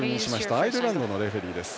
アイルランドのレフリーです。